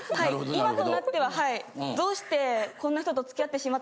今となってははい。